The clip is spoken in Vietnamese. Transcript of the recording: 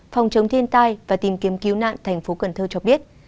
phòng chống thiên tai và tìm kiếm cứu nạn tp cn cho biết